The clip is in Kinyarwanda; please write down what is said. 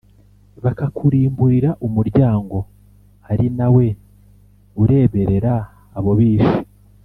Bakakurimburira umuryango Ari nawe ureberera abo bishi